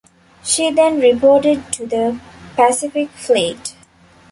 She then reported to the Pacific Fleet.